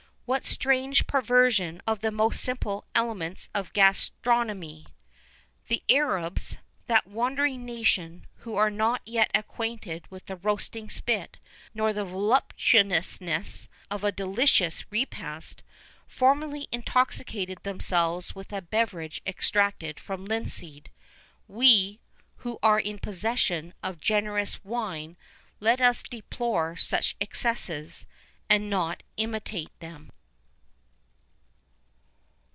What strange perversion of the most simple elements of gastronomy! The Arabs, that wandering nation, who are not yet acquainted with the roasting spit, nor the voluptuousness of a delicious repast, formerly intoxicated themselves with a beverage extracted from linseed;[VI 19] we, who are in possession of generous wine, let us deplore such excesses, and not imitate them.